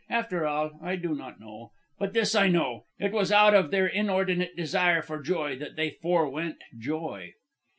After all, I do not know. But this I know: it was out of their inordinate desire for joy that they forewent joy.